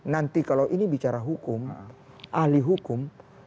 nanti kalau ini bicara hukum ahli hukum